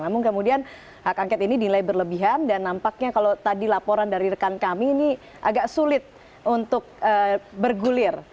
namun kemudian hak angket ini dinilai berlebihan dan nampaknya kalau tadi laporan dari rekan kami ini agak sulit untuk bergulir